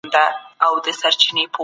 ښه ذهنیت پرمختګ نه خرابوي.